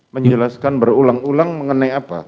menjelaskan berulang ulang mengenai apa